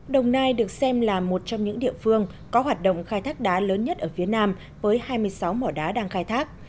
đồng nai được xem là một trong những địa phương có hoạt động khai thác đá lớn nhất ở phía nam với hai mươi sáu mỏ đá đang khai thác